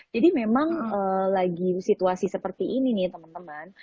jadi memang lagi situasi seperti ini nih teman teman